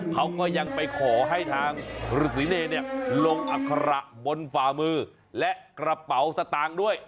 เขาก็ยังไปขอให้ทางฤษีเนรลงอัคระบนฝ่ามือและกระเป๋าสตางค์ด้วย